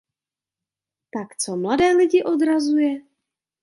Tak co mladé lidi odrazuje?